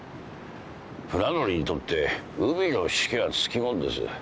船乗りにとって海のしけはつきもんです。